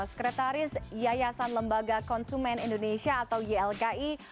sekretaris yayasan lembaga konsumen indonesia atau ylki